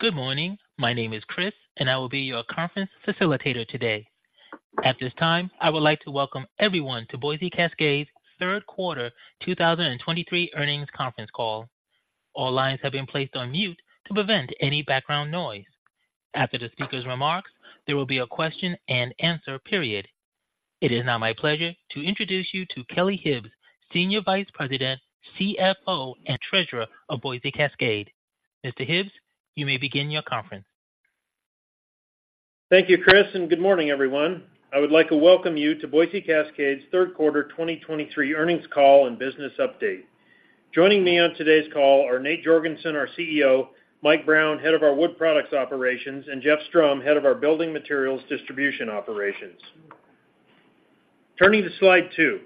Good morning. My name is Chris, and I will be your conference facilitator today. At this time, I would like to welcome everyone to Boise Cascade's Third Quarter 2023 Earnings Conference Call. All lines have been placed on mute to prevent any background noise. After the speaker's remarks, there will be a question-and-answer period. It is now my pleasure to introduce you to Kelly Hibbs, Senior Vice President, CFO, and Treasurer of Boise Cascade. Mr. Hibbs, you may begin your conference. Thank you, Chris, and good morning, everyone. I would like to welcome you to Boise Cascade's Third Quarter 2023 Earnings Call and Business Update. Joining me on today's call are Nate Jorgensen, our CEO, Mike Brown, Head of our Wood Products Operations, and Jeff Strom, Head of our Building Materials Distribution Operations. Turning to Slide two,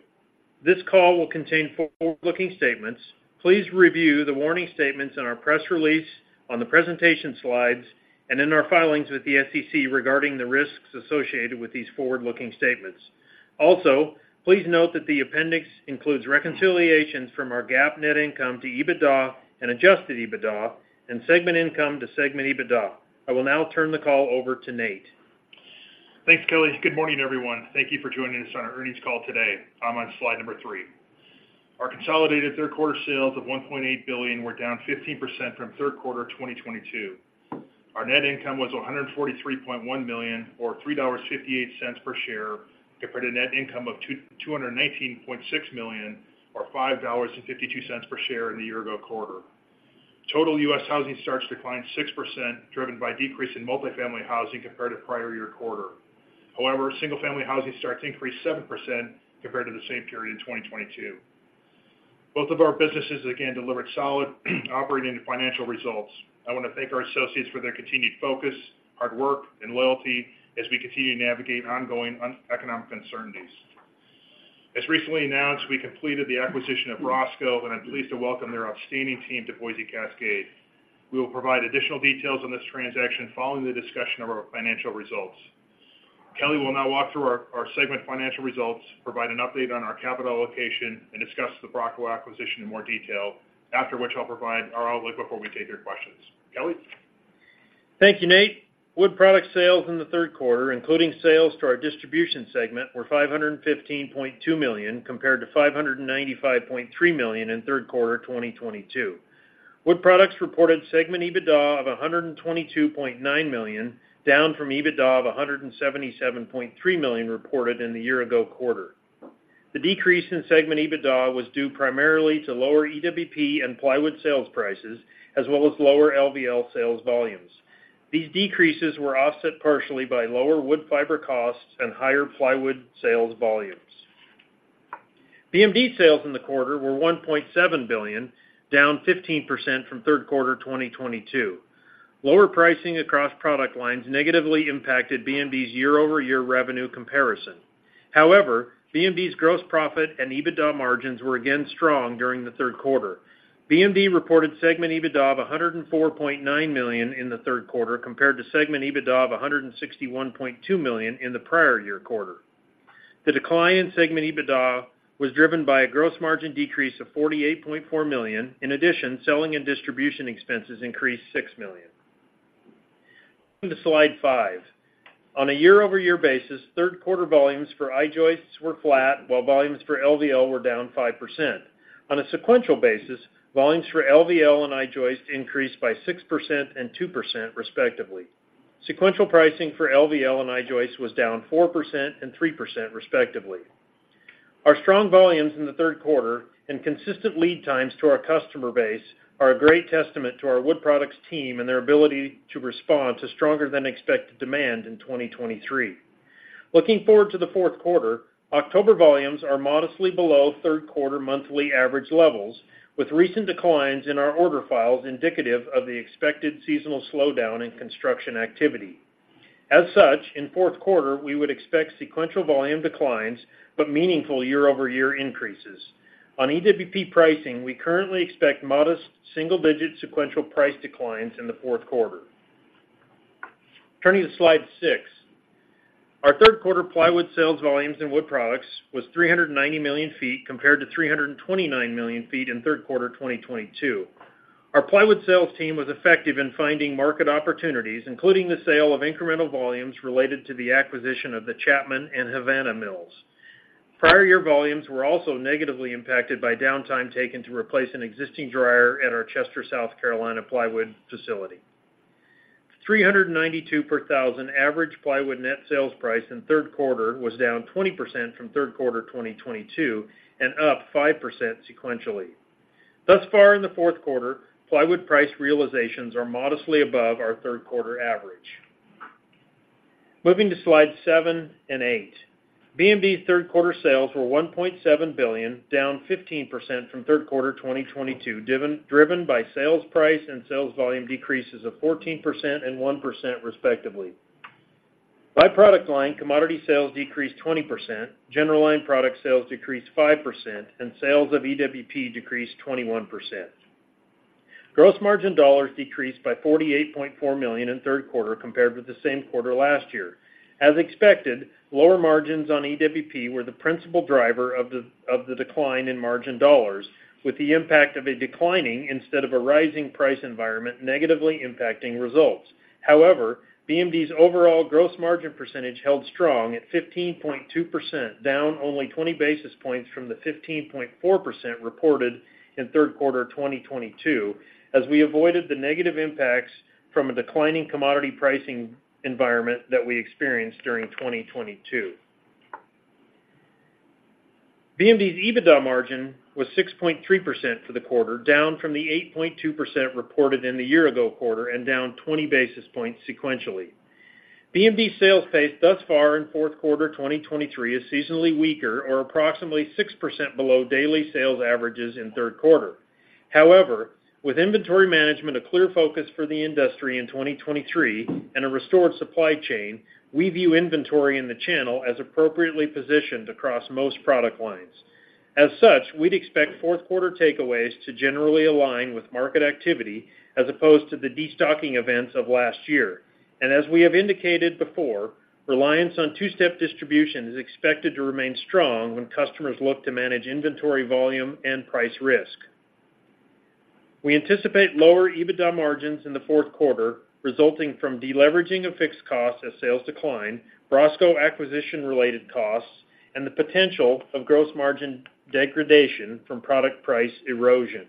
this call will contain forward-looking statements. Please review the warning statements in our press release, on the presentation slides, and in our filings with the SEC regarding the risks associated with these forward-looking statements. Also, please note that the appendix includes reconciliations from our GAAP net income to EBITDA and adjusted EBITDA and segment income to segment EBITDA. I will now turn the call over to Nate. Thanks, Kelly. Good morning, everyone. Thank you for joining us on our earnings call today. I'm on slide three. Our consolidated third quarter sales of $1.8 billion were down 15% from third quarter 2022. Our net income was $143.1 million, or $3.58 per share, compared to net income of $219.6 million, or $5.52 per share in the year-ago quarter. Total U.S. housing starts declined 6%, driven by a decrease in multifamily housing compared to the prior year quarter. However, single-family housing starts increased 7% compared to the same period in 2022. Both of our businesses again delivered solid operating and financial results. I want to thank our associates for their continued focus, hard work, and loyalty as we continue to navigate ongoing uneconomic uncertainties. As recently announced, we completed the acquisition of BROSCO, and I'm pleased to welcome their outstanding team to Boise Cascade. We will provide additional details on this transaction following the discussion of our financial results. Kelly will now walk through our segment financial results, provide an update on our capital allocation, and discuss the BROSCO acquisition in more detail, after which I'll provide our outlook before we take your questions. Kelly? Thank you, Nate. Wood Products sales in the third quarter, including sales to our distribution segment, were $515.2 million, compared to $595.3 million in third quarter 2022. Wood Products reported segment EBITDA of $122.9 million, down from EBITDA of $177.3 million reported in the year-ago quarter. The decrease in segment EBITDA was due primarily to lower EWP and plywood sales prices, as well as lower LVL sales volumes. These decreases were offset partially by lower wood fiber costs and higher plywood sales volumes. BMD sales in the quarter were $1.7 billion, down 15% from third quarter 2022. Lower pricing across product lines negatively impacted BMD's year-over-year revenue comparison. However, BMD's gross profit and EBITDA margins were again strong during the third quarter. BMD reported segment EBITDA of $104.9 million in the third quarter, compared to segment EBITDA of $161.2 million in the prior year quarter. The decline in segment EBITDA was driven by a gross margin decrease of $48.4 million. In addition, selling and distribution expenses increased $6 million. On to Slide five. On a year-over-year basis, third quarter volumes for I-joists were flat, while volumes for LVL were down 5%. On a sequential basis, volumes for LVL and I-joist increased by 6% and 2%, respectively. Sequential pricing for LVL and I-joist was down 4% and 3%, respectively. Our strong volumes in the third quarter and consistent lead times to our customer base are a great testament to our Wood Products team and their ability to respond to stronger-than-expected demand in 2023. Looking forward to the fourth quarter, October volumes are modestly below third quarter monthly average levels, with recent declines in our order files indicative of the expected seasonal slowdown in construction activity. As such, in fourth quarter, we would expect sequential volume declines, but meaningful year-over-year increases. On EWP pricing, we currently expect modest single-digit sequential price declines in the fourth quarter. Turning to Slide six, our third quarter plywood sales volumes in Wood Products was 390 million feet, compared to 329 million feet in third quarter 2022. Our plywood sales team was effective in finding market opportunities, including the sale of incremental volumes related to the acquisition of the Chapman and Havana mills. Prior year volumes were also negatively impacted by downtime taken to replace an existing dryer at our Chester, South Carolina, plywood facility. 392 per thousand average plywood net sales price in third quarter was down 20% from third quarter 2022 and up 5% sequentially. Thus far in the fourth quarter, plywood price realizations are modestly above our third quarter average. Moving to Slide seven and eight. BMD's third quarter sales were $1.7 billion, down 15% from third quarter 2022, driven by sales price and sales volume decreases of 14% and 1%, respectively. By product line, commodity sales decreased 20%, general line product sales decreased 5%, and sales of EWP decreased 21%. Gross margin dollars decreased by $48.4 million in third quarter compared with the same quarter last year. As expected, lower margins on EWP were the principal driver of the decline in margin dollars, with the impact of a declining instead of a rising price environment negatively impacting results. However, BMD's overall gross margin percentage held strong at 15.2%, down only 20 basis points from the 15.4% reported in third quarter 2022, as we avoided the negative impacts from a declining commodity pricing environment that we experienced during 2022. BMD's EBITDA margin was 6.3% for the quarter, down from the 8.2% reported in the year ago quarter and down 20 basis points sequentially. BMD's sales pace thus far in fourth quarter 2023 is seasonally weaker or approximately 6% below daily sales averages in third quarter. However, with inventory management a clear focus for the industry in 2023 and a restored supply chain, we view inventory in the channel as appropriately positioned across most product lines. As such, we'd expect fourth quarter takeaways to generally align with market activity as opposed to the destocking events of last year. As we have indicated before, reliance on two-step distribution is expected to remain strong when customers look to manage inventory, volume, and price risk. We anticipate lower EBITDA margins in the fourth quarter, resulting from deleveraging of fixed costs as sales decline, BROSCO acquisition-related costs, and the potential of gross margin degradation from product price erosion.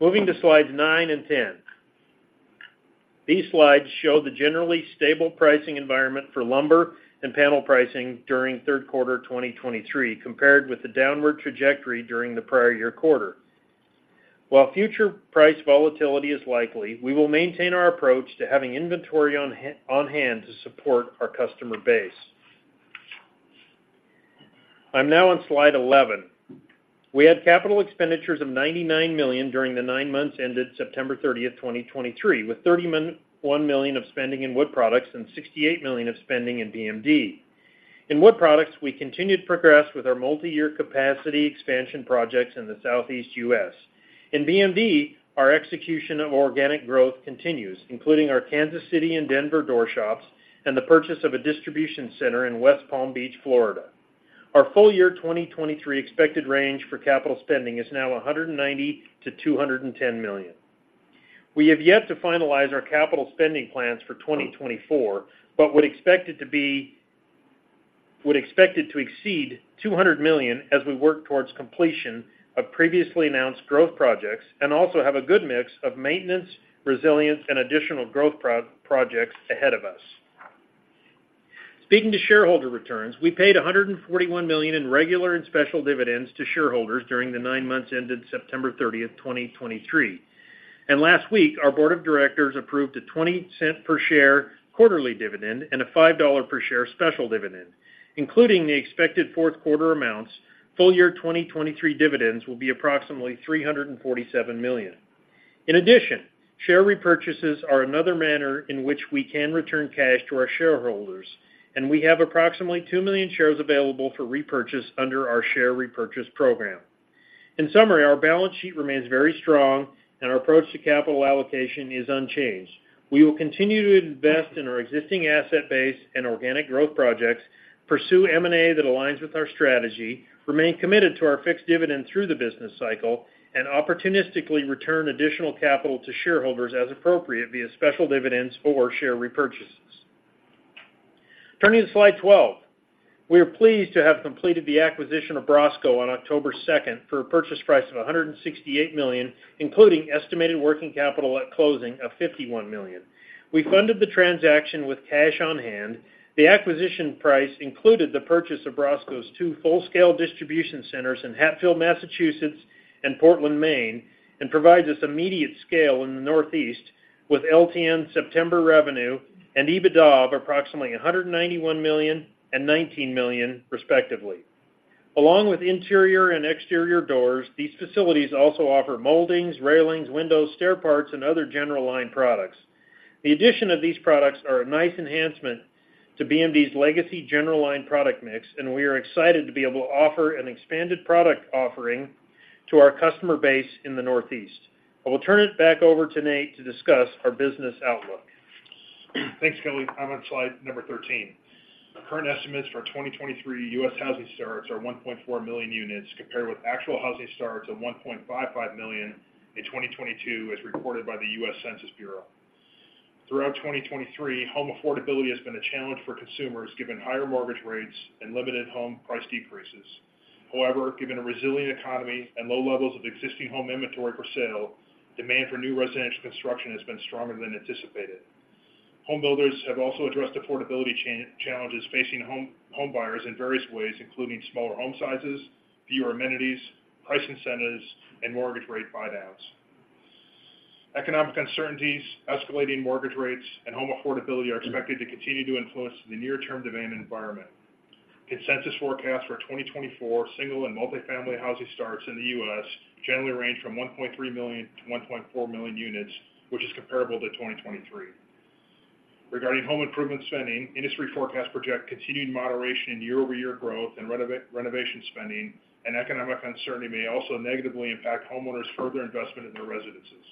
Moving to slides nine and 10. These slides show the generally stable pricing environment for lumber and panel pricing during third quarter 2023, compared with the downward trajectory during the prior year quarter. While future price volatility is likely, we will maintain our approach to having inventory on hand to support our customer base. I'm now on slide 11. We had capital expenditures of $99 million during the nine months ended September 30, 2023, with $31 million of spending in Wood Products and $68 million of spending in BMD. In Wood Products, we continued to progress with our multi-year capacity expansion projects in the Southeast U.S. In BMD, our execution of organic growth continues, including our Kansas City and Denver door shops, and the purchase of a distribution center in West Palm Beach, Florida. Our full-year 2023 expected range for capital spending is now $190 million-$210 million. We have yet to finalize our capital spending plans for 2024, but would expect it to exceed $200 million as we work towards completion of previously announced growth projects, and also have a good mix of maintenance, resilience, and additional growth projects ahead of us. Speaking to shareholder returns, we paid $141 million in regular and special dividends to shareholders during the nine months ended September 30, 2023. Last week, our board of directors approved a $0.20 per share quarterly dividend and a $5 per share special dividend. Including the expected fourth quarter amounts, full year 2023 dividends will be approximately $347 million. In addition, share repurchases are another manner in which we can return cash to our shareholders, and we have approximately 2 million shares available for repurchase under our share repurchase program. In summary, our balance sheet remains very strong, and our approach to capital allocation is unchanged. We will continue to invest in our existing asset base and organic growth projects, pursue M&A that aligns with our strategy, remain committed to our fixed dividend through the business cycle, and opportunistically return additional capital to shareholders as appropriate via special dividends or share repurchases. Turning to slide 12. We are pleased to have completed the acquisition of BROSCO on October 2nd for a purchase price of $168 million, including estimated working capital at closing of $51 million. We funded the transaction with cash on hand. The acquisition price included the purchase of BROSCO's two full-scale distribution centers in Hatfield, Massachusetts, and Portland, Maine, and provides us immediate scale in the Northeast, with LTM September revenue and EBITDA of approximately $191 million and $19 million, respectively. Along with interior and exterior doors, these facilities also offer moldings, railings, windows, stair parts, and other general line products. The addition of these products are a nice enhancement to BMD's legacy general line product mix, and we are excited to be able to offer an expanded product offering to our customer base in the Northeast. I will turn it back over to Nate to discuss our business outlook. Thanks, Kelly. I'm on slide number 13. The current estimates for 2023 U.S. housing starts are 1.4 million units, compared with actual housing starts of 1.55 million in 2022, as reported by the U.S. Census Bureau. Throughout 2023, home affordability has been a challenge for consumers, given higher mortgage rates and limited home price decreases. However, given a resilient economy and low levels of existing home inventory for sale, demand for new residential construction has been stronger than anticipated. Home builders have also addressed affordability challenges facing home buyers in various ways, including smaller home sizes, fewer amenities, price incentives, and mortgage rate buydowns. Economic uncertainties, escalating mortgage rates, and home affordability are expected to continue to influence the near-term demand environment. Consensus forecast for 2024, single and multifamily housing starts in the U.S. generally range from 1.3 million-1.4 million units, which is comparable to 2023. Regarding home improvement spending, industry forecasts project continued moderation in year-over-year growth and renovation spending, and economic uncertainty may also negatively impact homeowners' further investment in their residences.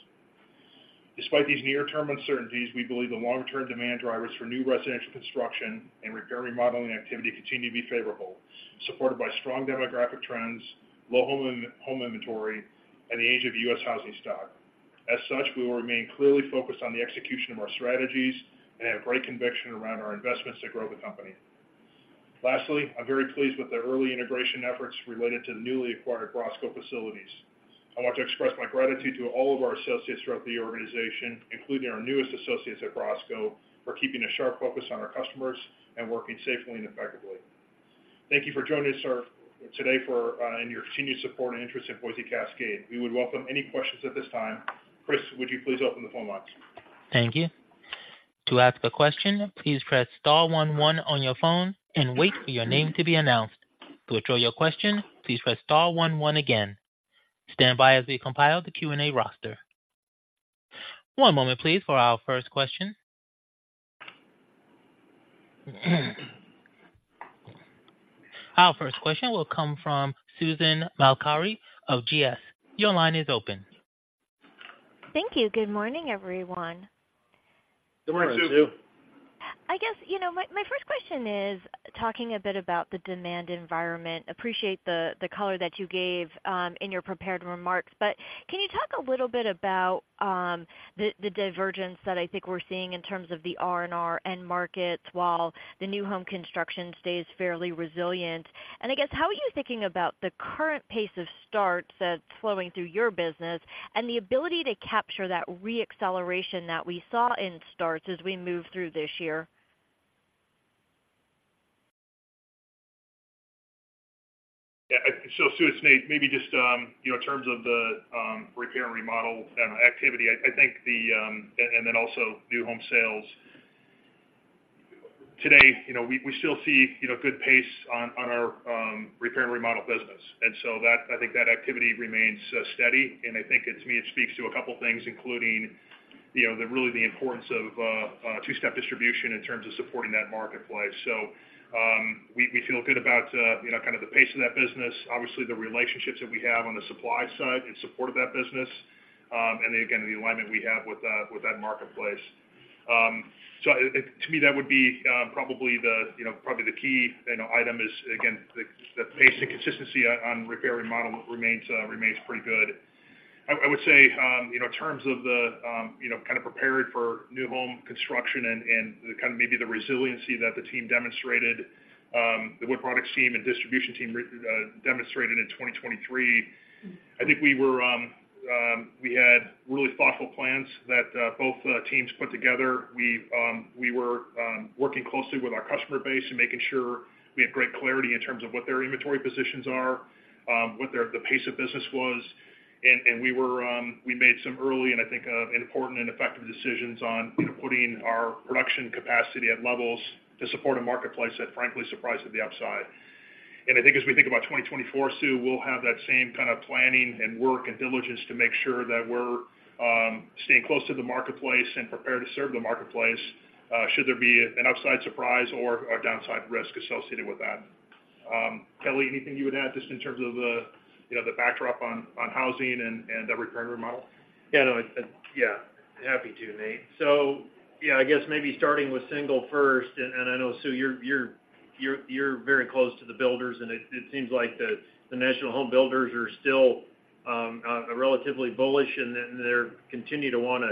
Despite these near-term uncertainties, we believe the long-term demand drivers for new residential construction and repair remodeling activity continue to be favorable, supported by strong demographic trends, low home inventory, and the age of U.S. housing stock. As such, we will remain clearly focused on the execution of our strategies and have great conviction around our investments to grow the company. Lastly, I'm very pleased with the early integration efforts related to the newly acquired BROSCO facilities. I want to express my gratitude to all of our associates throughout the organization, including our newest associates at BROSCO, for keeping a sharp focus on our customers and working safely and effectively. Thank you for joining us today, for and your continued support and interest in Boise Cascade. We would welcome any questions at this time. Chris, would you please open the phone lines? Thank you. To ask a question, please press star one one on your phone and wait for your name to be announced. To withdraw your question, please press star one one again. Stand by as we compile the Q&A roster. One moment, please, for our first question. Our first question will come from Susan Maklari of GS. Your line is open. Thank you. Good morning, everyone. Good morning, Sue. Good morning. I guess, you know, my first question is talking a bit about the demand environment. Appreciate the color that you gave in your prepared remarks, but can you talk a little bit about the divergence that I think we're seeing in terms of the R&R end markets, while the new home construction stays fairly resilient? And I guess, how are you thinking about the current pace of starts that's flowing through your business and the ability to capture that re-acceleration that we saw in starts as we move through this year? Yeah, so Sue, it's Nate. Maybe just, you know, in terms of the repair and remodel activity, I think, and then also new home sales. Today, you know, we still see, you know, good pace on our repair and remodel business, and so I think that activity remains steady. And I think it, to me, it speaks to a couple things, including, you know, the real importance of a two-step distribution in terms of supporting that marketplace. So, we feel good about, you know, kind of the pace of that business, obviously, the relationships that we have on the supply side in support of that business, and then again, the alignment we have with that marketplace. So to me, that would be probably the key item is, again, the pace and consistency on repair and remodel remains pretty good. I would say, you know, in terms of the, you know, kind of preparing for new home construction and the kind of maybe the resiliency that the team demonstrated, the wood products team and distribution team demonstrated in 2023, I think we were, we had really thoughtful plans that both teams put together. We were working closely with our customer base and making sure we had great clarity in terms of what their inventory positions are, what their pace of business was. We were, we made some early, and I think, important and effective decisions on putting our production capacity at levels to support a marketplace that frankly surprised at the upside. And I think as we think about 2024, Sue, we'll have that same kind of planning and work and diligence to make sure that we're staying close to the marketplace and prepared to serve the marketplace, should there be an upside surprise or a downside risk associated with that. Kelly, anything you would add just in terms of the, you know, the backdrop on, on housing and, and the repair and remodel? Yeah, happy to, Nate. So, yeah, I guess maybe starting with single first, and I know, Sue, you're very close to the builders, and it seems like the national home builders are still relatively bullish, and they're continue to wanna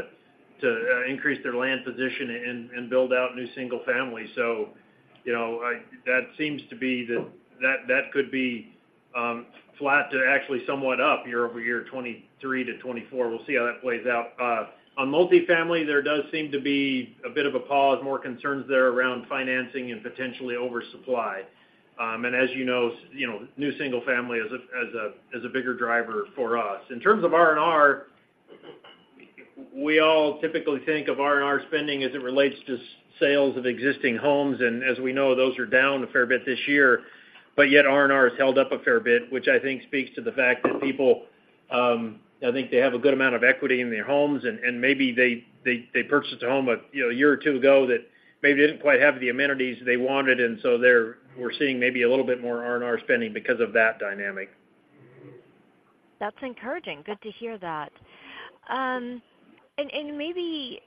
increase their land position and build out new single-family. So, you know, that could be flat to actually somewhat up year-over-year, 2023-2024. We'll see how that plays out. On multifamily, there does seem to be a bit of a pause, more concerns there around financing and potentially oversupply. And as you know, new single family is a bigger driver for us. In terms of R&R, we all typically think of R&R spending as it relates to sales of existing homes, and as we know, those are down a fair bit this year. But yet R&R has held up a fair bit, which I think speaks to the fact that people, I think they have a good amount of equity in their homes, and maybe they purchased a home, you know, a year or two ago that maybe didn't quite have the amenities they wanted, and so we're seeing maybe a little bit more R&R spending because of that dynamic. That's encouraging. Good to hear that. And maybe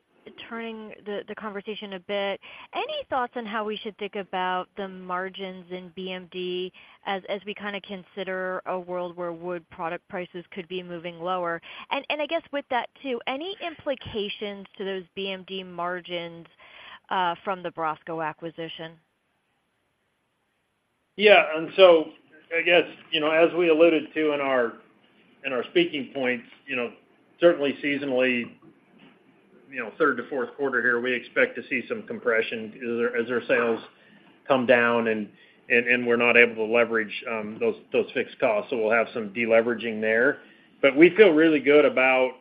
turning the conversation a bit, any thoughts on how we should think about the margins in BMD as we kind of consider a world where wood product prices could be moving lower? And I guess with that, too, any implications to those BMD margins from the BROSCO acquisition? Yeah, and so I guess, you know, as we alluded to in our, in our speaking points, you know, certainly seasonally, you know, third to fourth quarter here, we expect to see some compression as their, as their sales come down, and, and, and we're not able to leverage those, those fixed costs. So we'll have some deleveraging there. But we feel really good about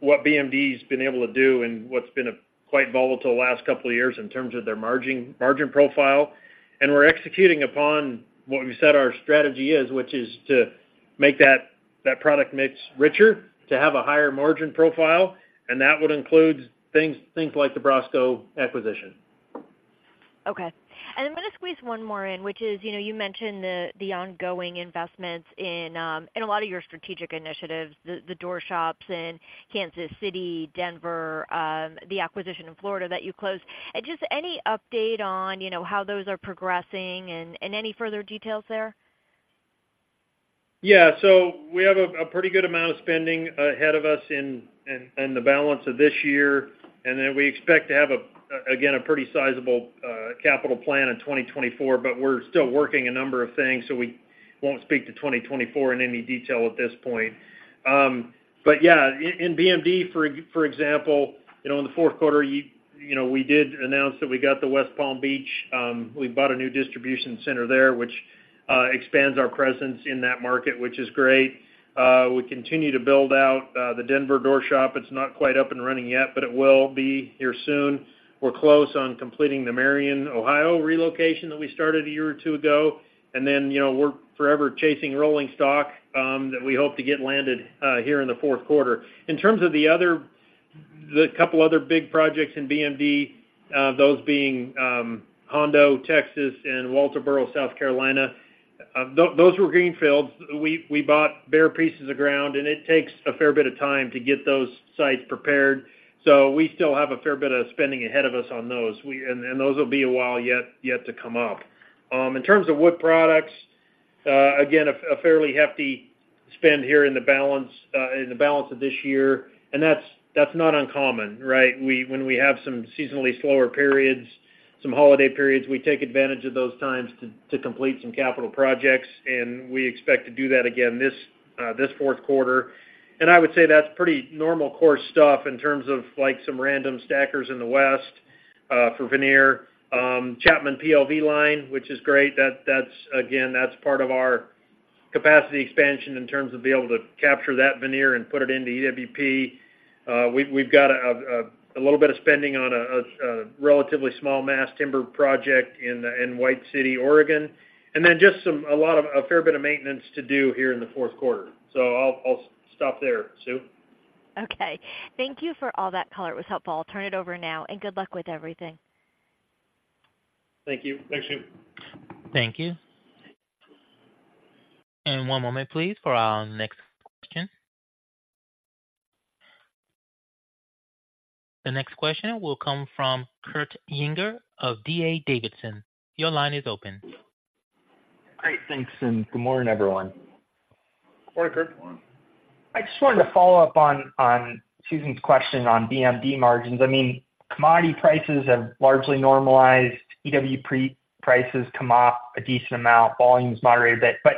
what BMD's been able to do and what's been a quite volatile last couple of years in terms of their margin profile. And we're executing upon what we said our strategy is, which is to make that product mix richer to have a higher margin profile, and that would include things, things like the BROSCO acquisition. Okay. I'm going to squeeze one more in, which is, you know, you mentioned the ongoing investments in a lot of your strategic initiatives, the door shops in Kansas City, Denver, the acquisition in Florida that you closed. Just any update on, you know, how those are progressing and any further details there? Yeah. So we have a pretty good amount of spending ahead of us in the balance of this year. And then we expect to have, again, a pretty sizable capital plan in 2024, but we're still working a number of things, so we won't speak to 2024 in any detail at this point. But yeah, in BMD, for example, you know, in the fourth quarter, you know, we did announce that we got the West Palm Beach. We bought a new distribution center there, which expands our presence in that market, which is great. We continue to build out the Denver door shop. It's not quite up and running yet, but it will be here soon. We're close on completing the Marion, Ohio, relocation that we started a year or two ago, and then, you know, we're forever chasing rolling stock that we hope to get landed here in the fourth quarter. In terms of the couple other big projects in BMD, those being Hondo, Texas, and Walterboro, South Carolina, those were greenfields. We bought bare pieces of ground, and it takes a fair bit of time to get those sites prepared. So we still have a fair bit of spending ahead of us on those. And those will be a while yet to come up. In terms of wood products, again, a fairly hefty spend here in the balance of this year, and that's not uncommon, right? When we have some seasonally slower periods, some holiday periods, we take advantage of those times to complete some capital projects, and we expect to do that again this fourth quarter. And I would say that's pretty normal course stuff in terms of, like, some random stackers in the West for veneer. Chapman peel line, which is great. That's, again, that's part of our capacity expansion in terms of being able to capture that veneer and put it into EWP. We've got a little bit of spending on a relatively small mass timber project in White City, Oregon. And then just a fair bit of maintenance to do here in the fourth quarter. So I'll stop there, Sue. Okay. Thank you for all that color. It was helpful. I'll turn it over now, and good luck with everything. Thank you. Thanks, Sue. Thank you. And one moment, please, for our next question. The next question will come from Kurt Yinger of D.A. Davidson. Your line is open. Great. Thanks, and good morning, everyone. Good morning, Kurt. Good morning. I just wanted to follow up on Susan's question on BMD margins. I mean, commodity prices have largely normalized, EWP prices come off a decent amount, volumes moderated a bit, but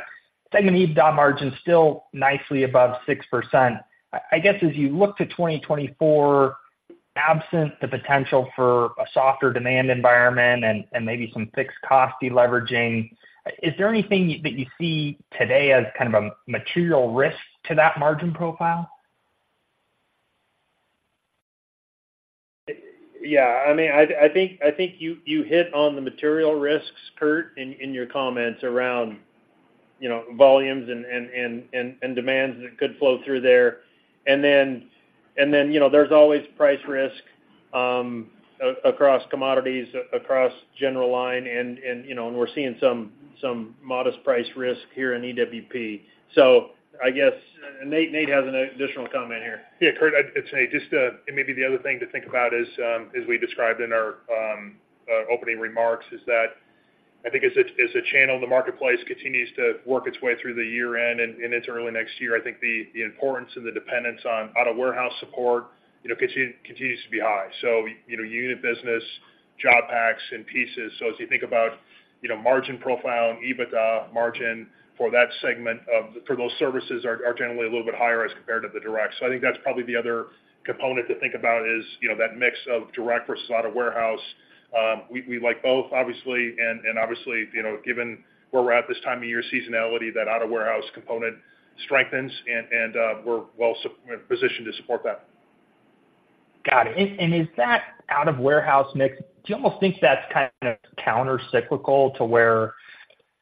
segment EBITDA margin is still nicely above 6%. I guess, as you look to 2024, absent the potential for a softer demand environment and maybe some fixed cost deleveraging, is there anything that you see today as kind of a material risk to that margin profile? Yeah, I mean, I think you hit on the material risks, Kurt, in your comments around, you know, volumes and demands that could flow through there. And then, you know, there's always price risk across commodities, across general line, and you know, and we're seeing some modest price risk here in EWP. So I guess, Nate has an additional comment here. Yeah, Kurt, I'd say just and maybe the other thing to think about is, as we described in our opening remarks, is that I think as it's, as a channel, the marketplace continues to work its way through the year-end and into early next year. I think the importance and the dependence on out-of-warehouse support, you know, continues to be high. So, you know, unit business, job packs, and pieces. So as you think about, you know, margin profile and EBITDA margin for that segment for those services are generally a little bit higher as compared to the direct. So I think that's probably the other component to think about is, you know, that mix of direct versus out-of-warehouse. We like both, obviously, and obviously, you know, given where we're at this time of year, seasonality, that out-of-warehouse component strengthens, and we're well positioned to support that. Got it. And is that out-of-warehouse mix, do you almost think that's kind of countercyclical to where,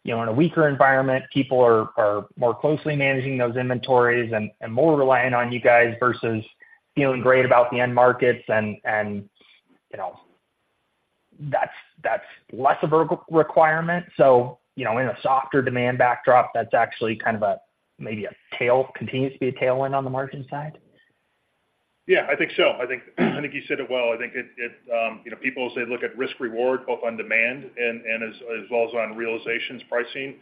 you know, in a weaker environment, people are more closely managing those inventories and more reliant on you guys versus feeling great about the end markets and, you know, that's less of a requirement? So, you know, in a softer demand backdrop, that's actually kind of a, maybe a tail, continues to be a tailwind on the margin side? Yeah, I think so. I think, I think you said it well. I think it, it, you know, people, as they look at risk reward, both on demand and, and as, as well as on realizations pricing,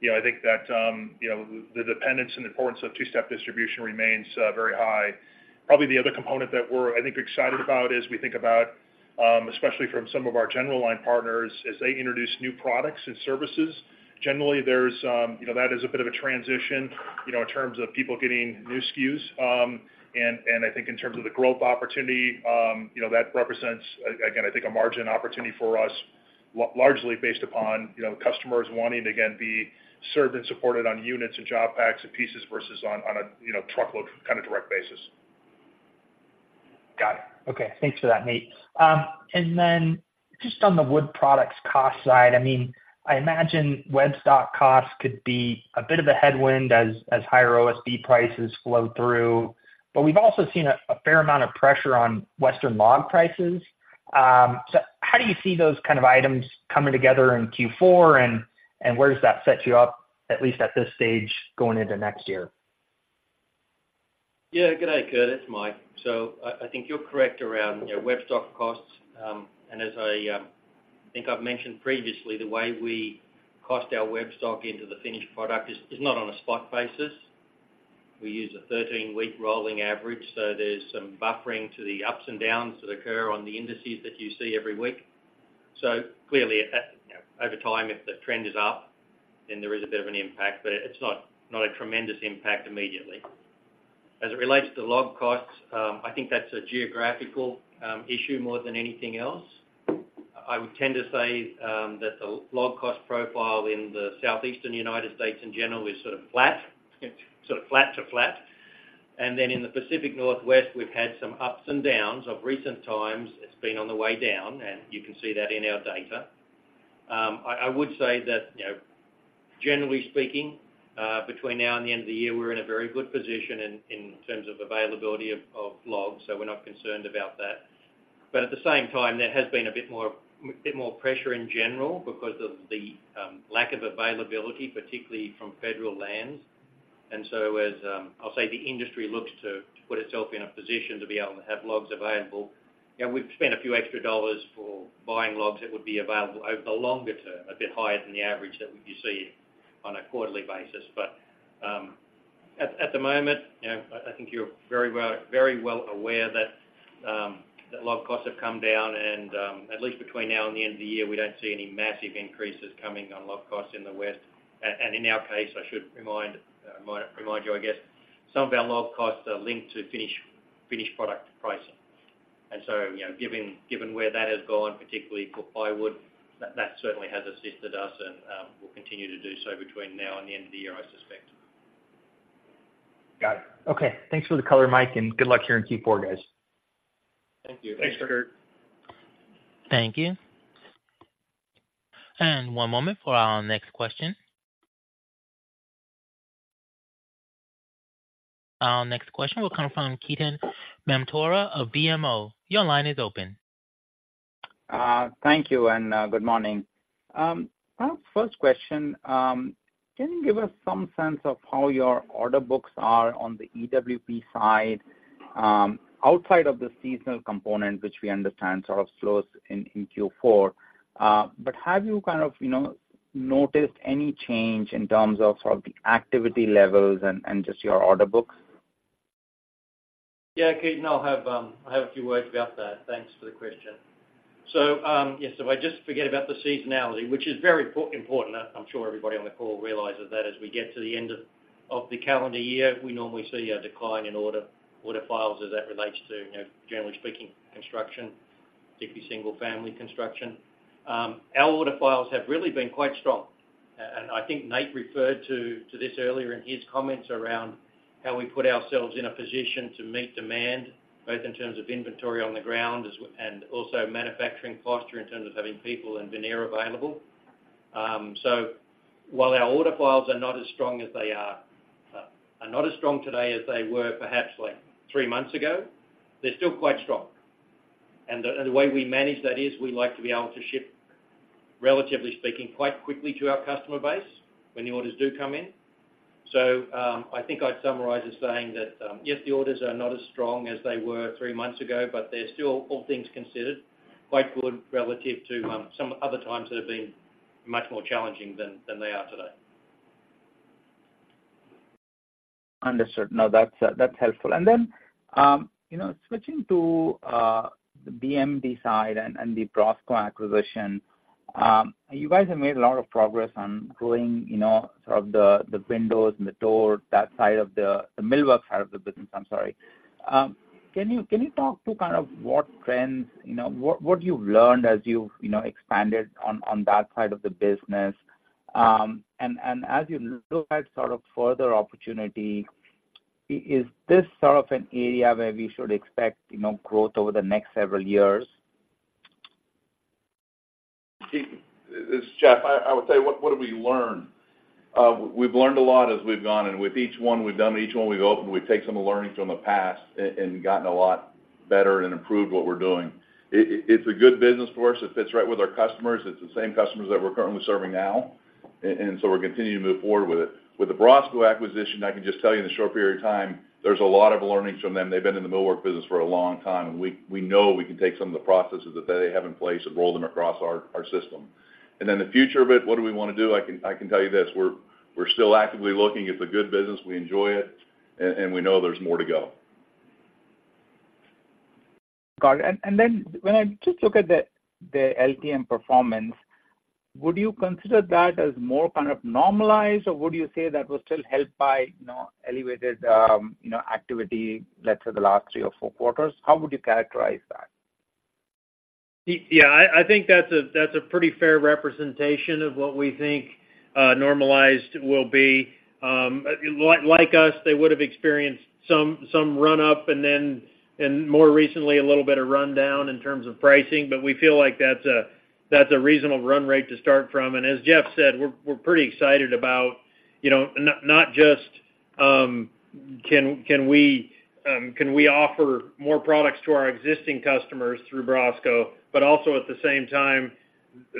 you know, I think that, you know, the dependence and importance of two-step distribution remains, very high. Probably the other component that we're, I think, excited about is we think about, especially from some of our general line partners, as they introduce new products and services, generally, there's, you know, that is a bit of a transition, you know, in terms of people getting new SKUs. I think in terms of the growth opportunity, you know, that represents again, I think, a margin opportunity for us, largely based upon, you know, customers wanting to again be served and supported on units and job packs and pieces versus on a, you know, truckload kind of direct basis.... Okay, thanks for that, Nate. And then just on the wood products cost side, I mean, I imagine web stock costs could be a bit of a headwind as higher OSB prices flow through. But we've also seen a fair amount of pressure on Western log prices. So how do you see those kind of items coming together in Q4, and where does that set you up, at least at this stage, going into next year? Yeah. Good day, Kurt, it's Mike. So I think you're correct around, you know, web stock costs. And as I think I've mentioned previously, the way we cost our web stock into the finished product is not on a spot basis. We use a 13-week rolling average, so there's some buffering to the ups and downs that occur on the indices that you see every week. So clearly, you know, over time, if the trend is up, then there is a bit of an impact, but it's not a tremendous impact immediately. As it relates to log costs, I think that's a geographical issue more than anything else. I would tend to say that the log cost profile in the Southeastern United States, in general, is sort of flat, sort of flat to flat. Then in the Pacific Northwest, we've had some ups and downs. Of recent times, it's been on the way down, and you can see that in our data. I would say that, you know, generally speaking, between now and the end of the year, we're in a very good position in terms of availability of logs, so we're not concerned about that. But at the same time, there has been a bit more, bit more pressure in general because of the lack of availability, particularly from federal lands. And so as I'll say, the industry looks to, to put itself in a position to be able to have logs available, you know, we've spent a few extra dollars for buying logs that would be available over the longer term, a bit higher than the average that you see on a quarterly basis. But at the moment, you know, I think you're very well aware that log costs have come down, and at least between now and the end of the year, we don't see any massive increases coming on log costs in the West. And in our case, I should remind you, I guess, some of our log costs are linked to finished product pricing. And so, you know, given where that has gone, particularly for plywood, that certainly has assisted us and will continue to do so between now and the end of the year, I suspect. Got it. Okay, thanks for the color, Mike, and good luck here in Q4, guys. Thank you. Thanks, Kurt. Thank you. One moment for our next question. Our next question will come from Ketan Mamtora of BMO. Your line is open. Thank you, and good morning. Our first question, can you give us some sense of how your order books are on the EWP side, outside of the seasonal component, which we understand sort of slows in Q4. But have you kind of, you know, noticed any change in terms of sort of the activity levels and just your order books? Yeah, Ketan, I'll have, I have a few words about that. Thanks for the question. So, yes, so I just forget about the seasonality, which is very important. I'm sure everybody on the call realizes that as we get to the end of the calendar year, we normally see a decline in order files as that relates to, you know, generally speaking, construction, particularly single-family construction. Our order files have really been quite strong. And I think Nate referred to this earlier in his comments around how we put ourselves in a position to meet demand, both in terms of inventory on the ground as well as manufacturing capacity, in terms of having people and veneer available. So while our order files are not as strong as they are, are not as strong today as they were perhaps like three months ago, they're still quite strong. And the way we manage that is we like to be able to ship, relatively speaking, quite quickly to our customer base when the orders do come in. So, I think I'd summarize as saying that, yes, the orders are not as strong as they were three months ago, but they're still, all things considered, quite good relative to, some other times that have been much more challenging than they are today. Understood. No, that's, that's helpful. And then, you know, switching to the BMD side and the BROSCO acquisition, you guys have made a lot of progress on growing, you know, sort of the windows and the doors, that side of the millwork side of the business, I'm sorry. Can you talk to kind of what trends, you know, what you've learned as you've, you know, expanded on that side of the business? And as you look at sort of further opportunity, is this sort of an area where we should expect, you know, growth over the next several years? Ketan, this is Jeff. I would say, what have we learned? We've learned a lot as we've gone, and with each one we've done, each one we've opened, we've taken some learnings from the past and gotten a lot better and improved what we're doing. It's a good business for us. It fits right with our customers. It's the same customers that we're currently serving now, and so we're continuing to move forward with it. With the BROSCO acquisition, I can just tell you in a short period of time, there's a lot of learnings from them. They've been in the millwork business for a long time, and we know we can take some of the processes that they have in place and roll them across our system. And then the future of it, what do we want to do? I can tell you this: We're still actively looking. It's a good business. We enjoy it, and we know there's more to go. Got it. And then when I just look at the LTM performance, would you consider that as more kind of normalized, or would you say that was still helped by, you know, elevated, you know, activity, let's say, the last three or four quarters? How would you characterize that?... Yeah, I think that's a pretty fair representation of what we think normalized will be. Like us, they would have experienced some run up and then, more recently, a little bit of run down in terms of pricing, but we feel like that's a reasonable run rate to start from. And as Jeff said, we're pretty excited about, you know, not just can we offer more products to our existing customers through BROSCO, but also at the same time,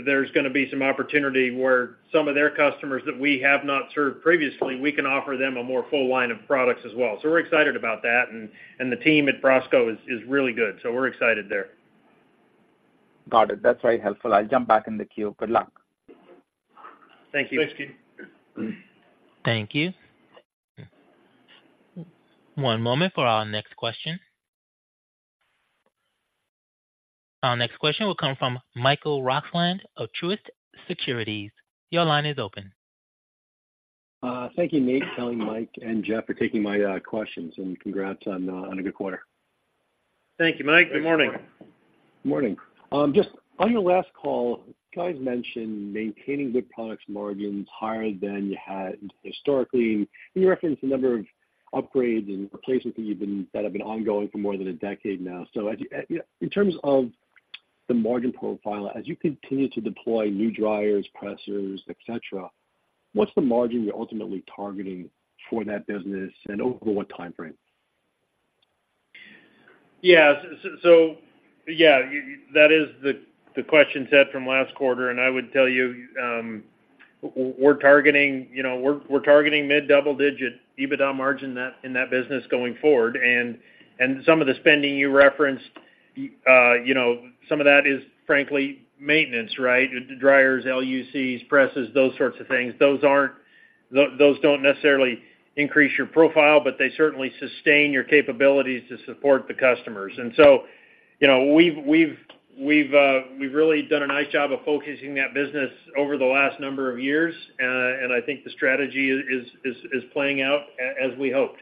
there's going to be some opportunity where some of their customers that we have not served previously, we can offer them a more full line of products as well. So we're excited about that, and the team at BROSCO is really good. So we're excited there. Got it. That's very helpful. I'll jump back in the queue. Good luck. Thank you. Thanks, Ketan. Thank you. One moment for our next question. Our next question will come from Mike Roxland of Truist Securities. Your line is open. Thank you, Nate, Kelly, Mike, and Jeff, for taking my questions, and congrats on a good quarter. Thank you, Mike. Good morning. Morning. Just on your last call, you guys mentioned maintaining good product margins higher than you had historically. You referenced a number of upgrades and replacements that have been ongoing for more than a decade now. So, in terms of the margin profile, as you continue to deploy new dryers, pressers, et cetera, what's the margin you're ultimately targeting for that business and over what timeframe? Yeah, so yeah, that is the question set from last quarter, and I would tell you, we're targeting, you know, we're targeting mid-double digit EBITDA margin in that business going forward. And some of the spending you referenced, you know, some of that is frankly maintenance, right? Dryers, LVLs, presses, those sorts of things. Those don't necessarily increase your profile, but they certainly sustain your capabilities to support the customers. And so, you know, we've really done a nice job of focusing that business over the last number of years, and I think the strategy is playing out as we hoped.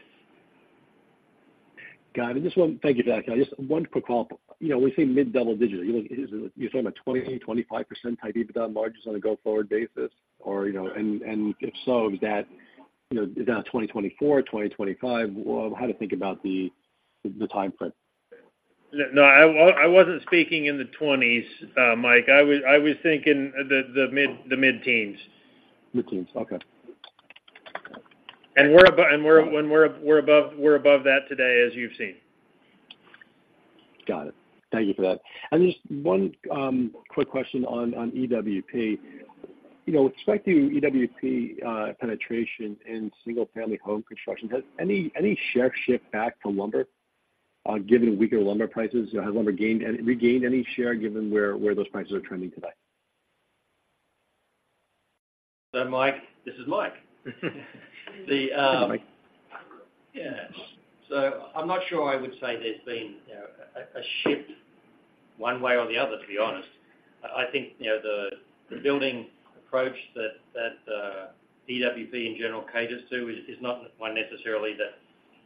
Got it. And just one... Thank you, Jack. Just one quick follow-up. You know, we say mid-double digit, you're talking about 20, 25% type EBITDA margins on a go-forward basis, or, you know? And, and if so, is that, you know, is that a 2024, 2025? Well, how to think about the, the timeframe? No, I wasn't speaking in the twenties, Mike. I was thinking the mid-teens. The mid-teens. Okay. And we're above that today, as you've seen. Got it. Thank you for that. And just one quick question on EWP. You know, expecting EWP penetration in single-family home construction, has any share shift back to lumber given weaker lumber prices? Has lumber regained any share given where those prices are trending today? Mike, this is Mike. Hi, Mike. Yeah. So I'm not sure I would say there's been a shift one way or the other, to be honest. I think, you know, the building approach that EWP in general caters to is not one necessarily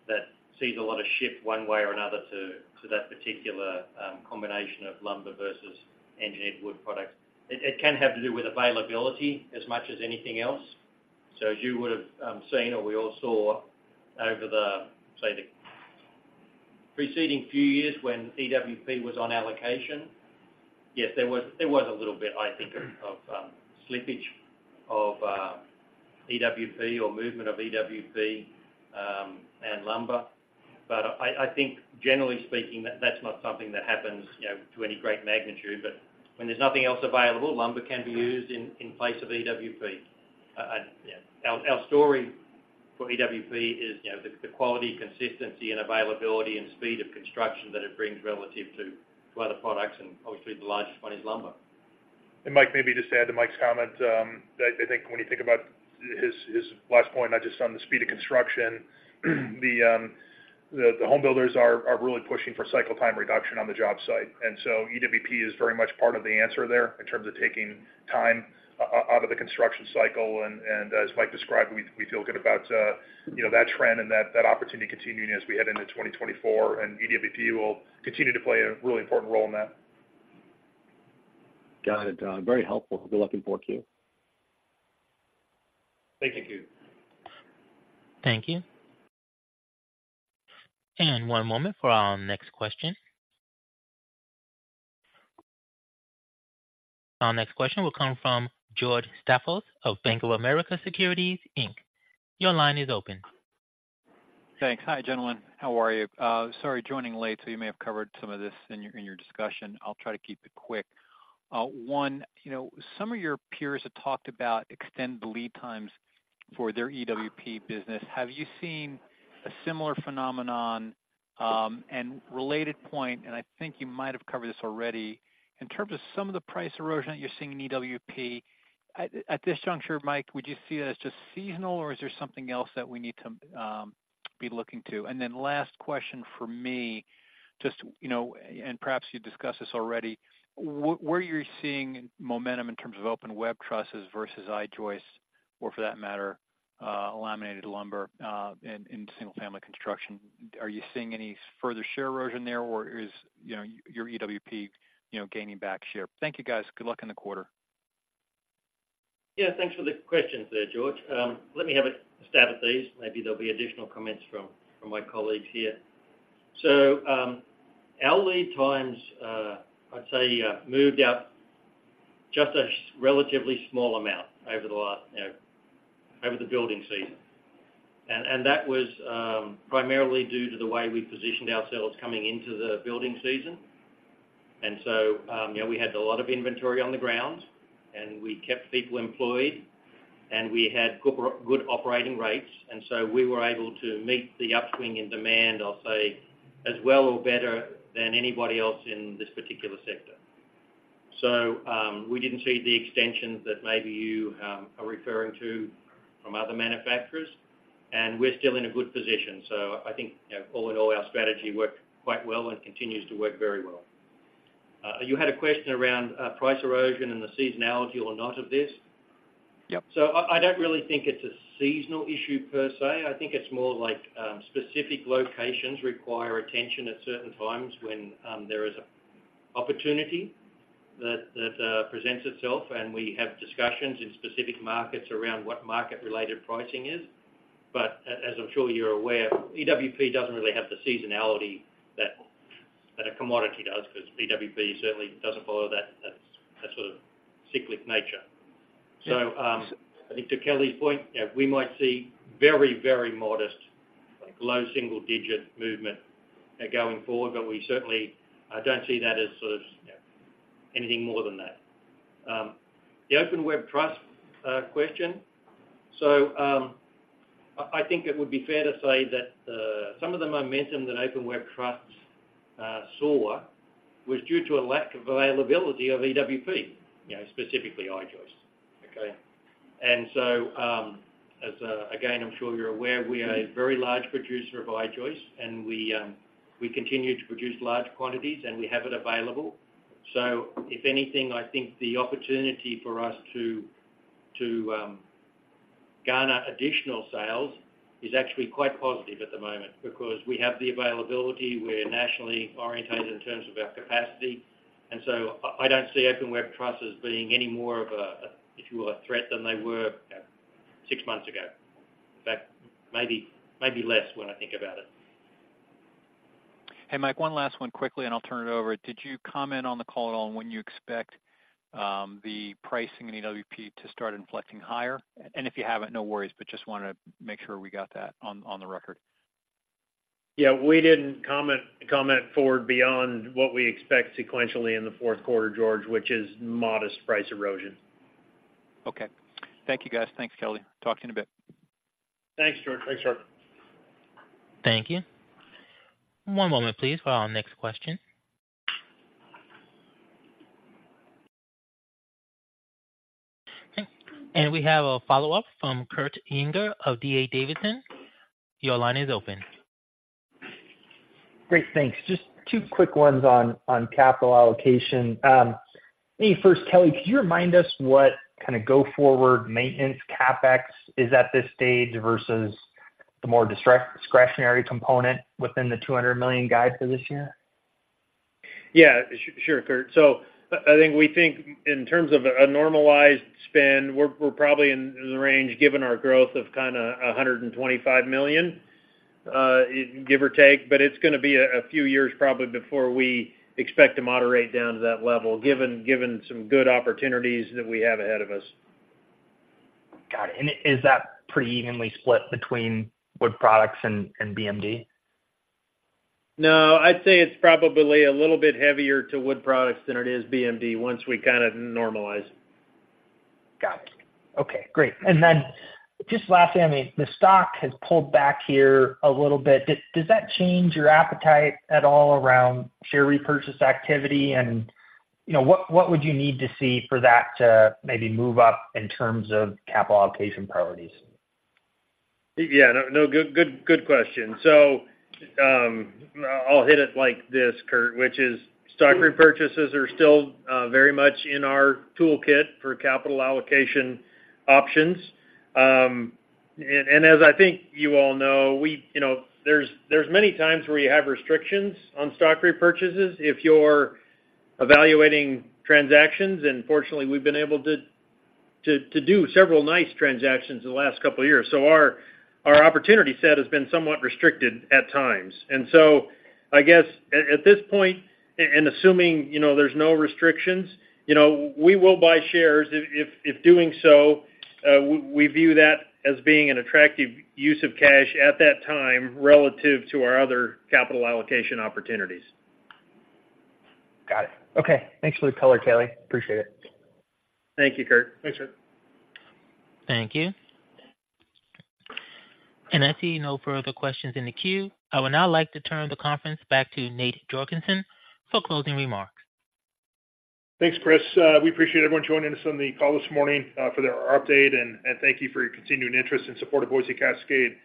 that sees a lot of shift one way or another to that particular combination of lumber versus engineered wood products. It can have to do with availability as much as anything else. So as you would have seen or we all saw over, say, the preceding few years when EWP was on allocation, yes, there was a little bit, I think, of slippage of EWP or movement of EWP and lumber. But I think generally speaking, that's not something that happens, you know, to any great magnitude, but when there's nothing else available, lumber can be used in place of EWP. Yeah, our story for EWP is, you know, the quality, consistency, and availability and speed of construction that it brings relative to other products, and obviously, the largest one is lumber. Mike, maybe just to add to Mike's comment, I think when you think about his last point, not just on the speed of construction, the homebuilders are really pushing for cycle time reduction on the job site. And so EWP is very much part of the answer there in terms of taking time out of the construction cycle, and as Mike described, we feel good about, you know, that trend and that opportunity continuing as we head into 2024, and EWP will continue to play a really important role in that. Got it. Very helpful. Good luck in fourth Q. Thank you. Thank you. One moment for our next question. Our next question will come from George Staphos of Bank of America Securities. Your line is open. Thanks. Hi, gentlemen. How are you? Sorry, joining late, so you may have covered some of this in your, in your discussion. I'll try to keep it quick. One, you know, some of your peers have talked about extend the lead times for their EWP business. Have you seen a similar phenomenon? And related point, and I think you might have covered this already. In terms of some of the price erosion that you're seeing in EWP, at this juncture, Mike, would you see that as just seasonal, or is there something else that we need to be looking to? And then last question for me, just, you know, and perhaps you discussed this already. Where are you seeing momentum in terms of open web trusses versus I-joist? Or for that matter, laminated lumber, in single-family construction. Are you seeing any further share erosion there, or is, you know, your EWP, you know, gaining back share? Thank you, guys. Good luck in the quarter. Yeah, thanks for the questions there, George. Let me have a stab at these. Maybe there'll be additional comments from my colleagues here. So, our lead times, I'd say, moved out just a relatively small amount over the last, you know, over the building season. And that was primarily due to the way we positioned ourselves coming into the building season. And so, you know, we had a lot of inventory on the ground, and we kept people employed, and we had good operating rates, and so we were able to meet the upswing in demand, I'll say, as well or better than anybody else in this particular sector. So, we didn't see the extensions that maybe you are referring to from other manufacturers, and we're still in a good position. So I think, you know, all in all, our strategy worked quite well and continues to work very well. You had a question around price erosion and the seasonality or not of this? Yep. So I don't really think it's a seasonal issue per se. I think it's more like specific locations require attention at certain times when there is a opportunity that presents itself, and we have discussions in specific markets around what market-related pricing is. But as I'm sure you're aware, EWP doesn't really have the seasonality that a commodity does, because EWP certainly doesn't follow that sort of cyclic nature. So I think to Kelly's point, you know, we might see very modest, like low double-digit movement going forward, but we certainly don't see that as sort of, you know, anything more than that. The open web truss question. So, I think it would be fair to say that some of the momentum that open web truss saw was due to a lack of availability of EWP, you know, specifically I-joist, okay? And so, as again, I'm sure you're aware, we are a very large producer of I-joist, and we continue to produce large quantities, and we have it available. So if anything, I think the opportunity for us to garner additional sales is actually quite positive at the moment because we have the availability, we're nationally oriented in terms of our capacity, and so I don't see open web truss as being any more of a, if you want, a threat than they were six months ago. In fact, maybe less when I think about it. Hey, Mike, one last one quickly, and I'll turn it over. Did you comment on the call at all on when you expect the pricing in EWP to start inflecting higher? And if you haven't, no worries, but just wanted to make sure we got that on, on the record. Yeah, we didn't comment forward beyond what we expect sequentially in the fourth quarter, George, which is modest price erosion. Okay. Thank you, guys. Thanks, Kelly. Talk to you in a bit. Thanks, George. Thanks, Chris. Thank you. One moment, please, for our next question. We have a follow-up from Kurt Yinger of D.A. Davidson. Your line is open. Great, thanks. Just two quick ones on capital allocation. Maybe first, Kelly, could you remind us what kind of go-forward maintenance CapEx is at this stage versus the more discretionary component within the $200 million guide for this year? Yeah, sure, Kurt. So I think we think in terms of a normalized spend, we're probably in the range, given our growth, of kinda $125 million, give or take, but it's gonna be a few years probably before we expect to moderate down to that level, given some good opportunities that we have ahead of us. Got it. And is that pretty evenly split between Wood Products and BMD? No, I'd say it's probably a little bit heavier to Wood Products than it is BMD once we kind of normalize. Got it. Okay, great. And then just lastly, I mean, the stock has pulled back here a little bit. Does that change your appetite at all around share repurchase activity? And, you know, what would you need to see for that to maybe move up in terms of capital allocation priorities? Yeah, no, no, good, good, good question. So, I'll hit it like this, Kurt, which is stock repurchases are still very much in our toolkit for capital allocation options. And as I think you all know, we, you know, there's many times where you have restrictions on stock repurchases if you're evaluating transactions, and fortunately, we've been able to do several nice transactions in the last couple of years. So our opportunity set has been somewhat restricted at times. And so I guess at this point, and assuming, you know, there's no restrictions, you know, we will buy shares if doing so we view that as being an attractive use of cash at that time relative to our other capital allocation opportunities. Got it. Okay, thanks for the color, Kelly. Appreciate it. Thank you, Kurt. Thanks, Kurt. Thank you. I see no further questions in the queue. I would now like to turn the conference back to Nate Jorgensen for closing remarks. Thanks, Chris. We appreciate everyone joining us on the call this morning for our update, and thank you for your continuing interest and support of Boise Cascade.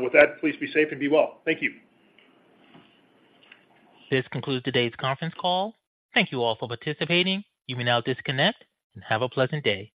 With that, please be safe and be well. Thank you. This concludes today's conference call. Thank you all for participating. You may now disconnect and have a pleasant day.